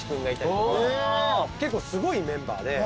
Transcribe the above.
結構すごいメンバーで。